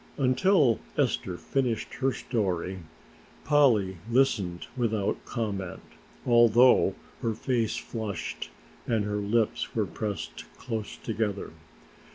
Until Esther finished her story Polly listened without comment, although her face flushed and her lips were pressed close together.